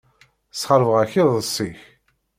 Sxeṛbeɣ-ak iḍes-ik.